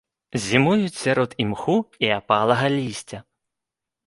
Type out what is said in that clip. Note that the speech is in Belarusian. Зімуюць сярод імху і апалага лісця.